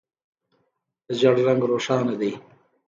ژېړ رنګ روښانه دی.